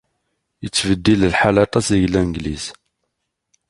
Yettbeddil lḥal aṭas deg Langliz.